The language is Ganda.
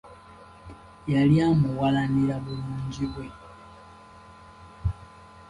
Yali amuwalanira bulungi bwe.